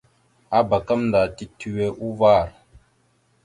Abak gamənda titewe uvar.